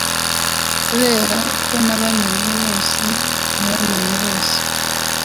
Kuberako nabamenye bose, nabamenye bose: -